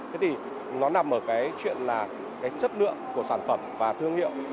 thế thì nó nằm ở cái chuyện là cái chất lượng của sản phẩm và thương hiệu